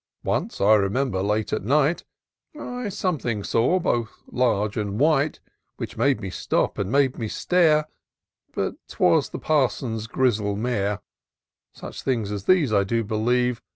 Once, I remember, late at night, I something saw, both large and white, Which made me stop, and made me stare, — But 'twas the Parson's grizzle mare. Such things as these, I do believe.